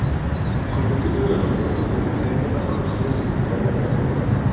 Constituye uno de los puntos de referencia más conocidos y populares de la ciudad.